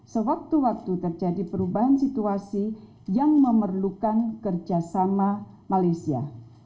sewaktu waktu terjadi perubahan situasi yang memerlukan kerjasama malaysia